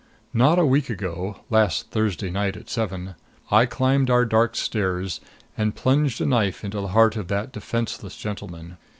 Not a week ago last Thursday night at seven I climbed our dark stairs and plunged a knife into the heart of that defenseless gentleman.